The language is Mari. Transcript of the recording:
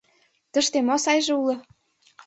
Тыште мо сайже уло?